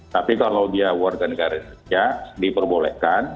tapi kalau dia warga negara indonesia diperbolehkan